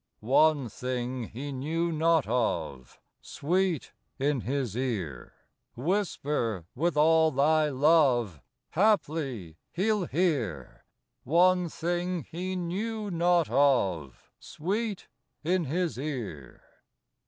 One thing, he knew not of, Sweet, in his ear Whisper with all thy love Haply he'll hear. One thing, he knew not of, Sweet, in his ear.